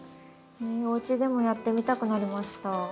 おうちでもやってみたくなりました。